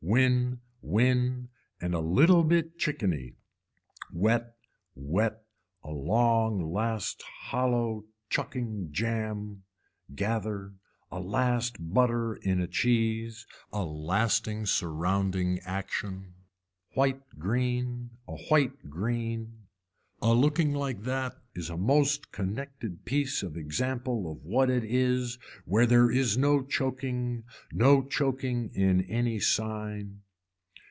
Win, win, a little bit chickeny, wet, wet, a long last hollow chucking jam, gather, a last butter in a cheese, a lasting surrounding action. White green, a white green. A looking like that is a most connected piece of example of what it is where there is no choking, no choking in any sign.